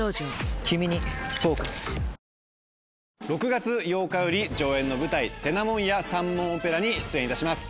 ６月８日より上演の舞台『てなもんや三文オペラ』に出演いたします。